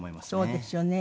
そうですよね。